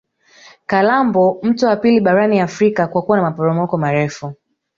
kalambo mto wa pili barani afrika kwa kuwa na maporomoko marefu